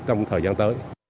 trong thời gian tới